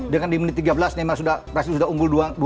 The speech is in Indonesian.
dengan di menit tiga belas neymar presiden sudah unggul dua